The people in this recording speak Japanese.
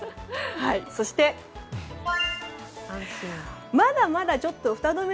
そして、まだまだ、ちょっとフタ止め